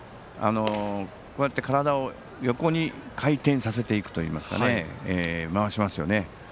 こうやって体を横に回転させていくといいますか回しますよね。